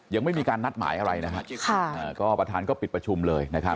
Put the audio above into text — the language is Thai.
ยังไม่มีการนัดหมายอะไรนะฮะก็ประธานก็ปิดประชุมเลยนะครับ